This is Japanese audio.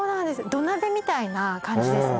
土鍋みたいな感じですね